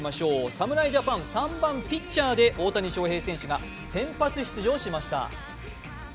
侍ジャパン３番・ピッチャーで大谷翔平選手が先発出場しました。